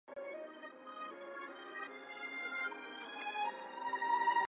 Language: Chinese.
黎培銮家族对近现代文化科技事业发挥了深远的影响。